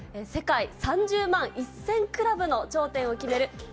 世界３０万１０００クラブの頂点を決める